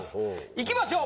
いきましょう！